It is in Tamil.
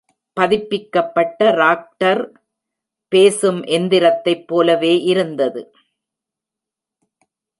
பதிப்பிக்கப்பட்ட ராக்டர் பேசும்எந்திரத்தைப் போலவே இருந்தது.